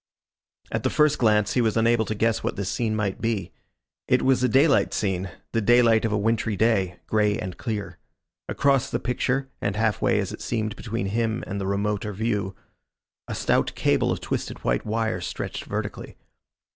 At the first glance he was unable to guess what this scene might be. It was a daylight scene, the daylight of a wintry day, grey and clear. Across the picture, and halfway as it seemed between him and the remoter view, a stout cable of twisted white wire stretched vertically.